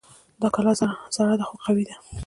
دا کلا زړه ده خو قوي ده